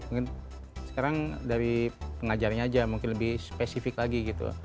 mungkin sekarang dari pengajarnya aja mungkin lebih spesifik lagi gitu